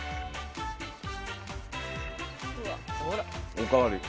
お代わり。